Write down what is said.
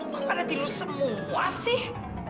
wah pada tidur semua sih